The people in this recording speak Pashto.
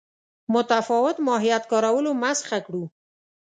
متفاوت ماهیت کارولو مسخه کړو.